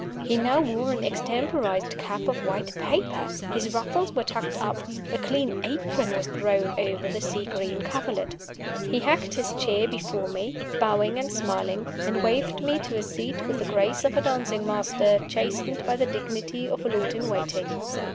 He now wore an extemporized cap of white paper; his ruffles were tucked up; a clean apron was thrown over the sea green coverlet. He hacked his chair before me, bowing and smiling, and waved me to a seat with the grace of a dancing master, chastened by the dignity of a lord in waiting.